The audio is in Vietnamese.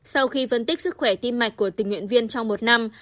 sau khi phân tích sức khỏe tim mạch của tình nguyện viên trong một năm